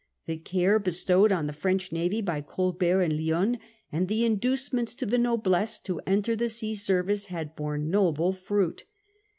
The care bestowed on the French navy „, by Colbert and Lionne, and the inducements to fleet ; the noblesse to enter the sea service, had borne noble fruit.